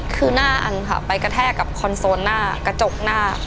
คือหน้าอันค่ะไปกระแทกกับคอนโซลหน้ากระจกหน้า